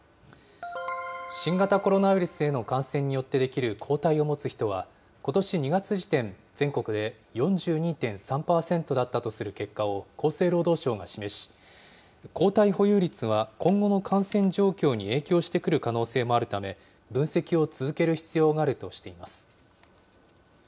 新型コロナウイルスへの感染によって出来る抗体を持つ人は、ことし２月時点、全国で４２．３％だったとする結果を厚生労働省が示し、抗体保有率は今後の感染状況に影響してくる可能性もあるため、分析を続ける必要があるとしています。